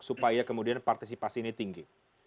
supaya kemudian partisipasi ini tinggi